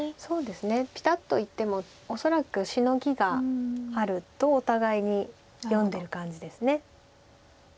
ピタッといっても恐らくシノギがあるとお互いに読んでる感じです。